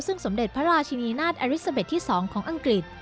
ซึ่งสมเด็จพระราชินีนาฏแอริซาเบสที่๒ของอังกฤษ